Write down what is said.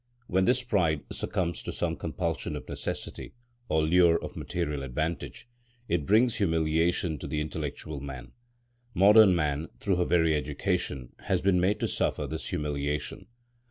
When this pride succumbs to some compulsion of necessity or lure of material advantage, it brings humiliation to the intellectual man. Modern India, through her very education, has been made to suffer this humiliation.